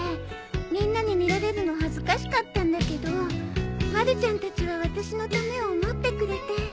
みんなに見られるの恥ずかしかったんだけどまるちゃんたちは私のためを思ってくれて。